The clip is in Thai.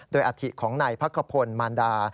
โดยอาธิของในพระคพลมานดา